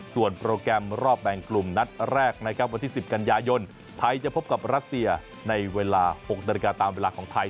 ส่วนโปรแกรมรอบแบ่งกลุ่มนัดแรกนะครับวันที่๑๐กันยายนไทยจะพบกับรัสเซียในเวลา๖นาฬิกาตามเวลาของไทย